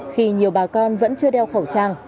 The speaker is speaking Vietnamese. khi nhiều bà con vẫn chưa đeo khẩu trang